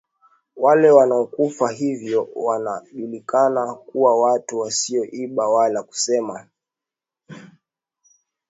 wale wanaokufa hivyo wanajulikana kuwa watu wasioiba wala kusema